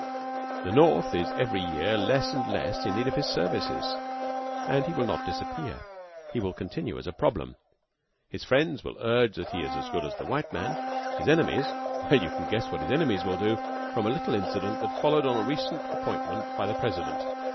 The North is every year less and less in need of his services. And he will not disappear. He will continue as a problem. His friends will urge that he is as good as the white man. His enemies well, you can guess what his enemies will do from a little incident that followed on a recent appointment by the President.